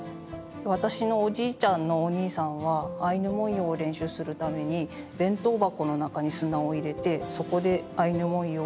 私のおじいちゃんのお兄さんはアイヌ文様を練習するために弁当箱の中に砂を入れてそこでアイヌ文様を描いていたと言ってます。